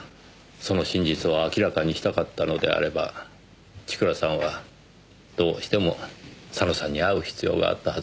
その真実を明らかにしたかったのであれば千倉さんはどうしても佐野さんに会う必要があったはずです。